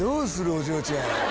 お嬢ちゃん。